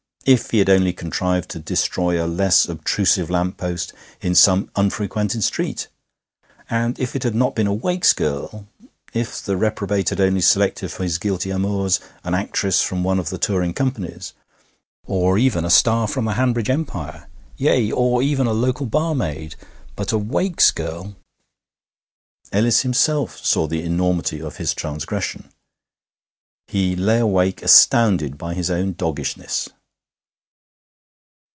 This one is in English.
If he had only contrived to destroy a less obtrusive lamp post in some unfrequented street! And if it had not been a Wakes girl if the reprobate had only selected for his guilty amours an actress from one of the touring companies, or even a star from the Hanbridge Empire yea, or even a local barmaid! But a Wakes girl! Ellis himself saw the enormity of his transgression. He lay awake astounded by his own doggishness.